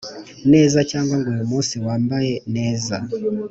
neza cyangwa ngo uyu munsi wambaye neza